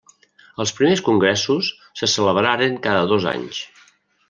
Els primers congressos se celebraren cada dos anys.